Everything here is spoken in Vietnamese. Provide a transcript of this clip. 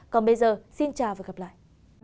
còn bây giờ xin chào và gặp lại